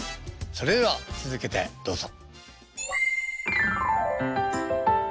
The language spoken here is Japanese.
それでは続けてどうぞ。